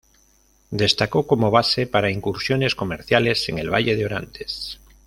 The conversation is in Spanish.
Destacó como base para incursiones comerciales en el valle de Orantes.